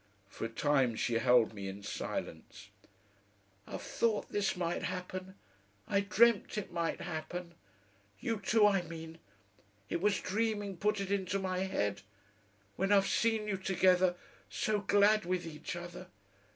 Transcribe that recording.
For a time she held me in silence. "I've thought this might happen, I dreamt it might happen. You two, I mean. It was dreaming put it into my head. When I've seen you together, so glad with each other....